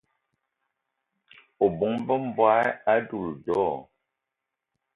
O bóng-be m'bogué a doula do?